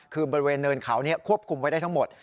คือบริเวณเนินเขาควบคุมไว้ได้ทั้งหมด